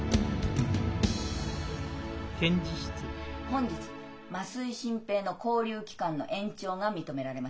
本日増井新平の勾留期間の延長が認められました。